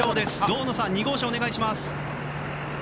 堂野さん、２号車お願いします。